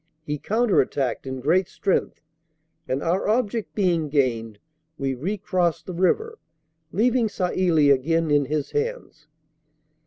He coun ter attacked in great strength, and our object being gained, we recrossed the river, leaving Sailly again in his hands.